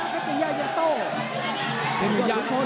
แต่วันนี้ยังต้องวันนี้ก็ยายังต้อง